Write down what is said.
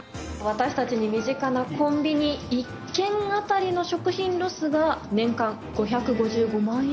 私たちに身近なコンビニ１軒当たりの食品ロスが年間５５５万円。